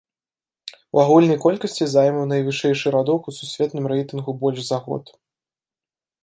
У агульнай колькасці займаў найвышэйшы радок у сусветным рэйтынгу больш за год.